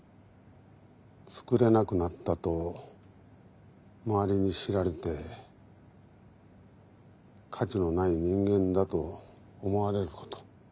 作れなくなったと周りに知られて価値のない人間だと思われること。